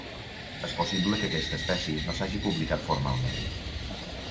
És possible que aquesta espècie no s'hagi publicat formalment.